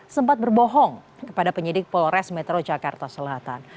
sempat berbohong kepada penyidik polres metro jakarta selatan